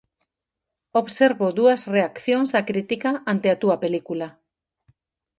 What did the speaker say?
Observo dúas reaccións da crítica ante a túa película.